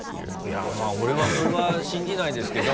いやまぁ俺はそれは信じないですけど。